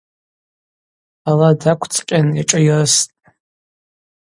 Ала даквцӏкъьан йашӏайрыстӏ.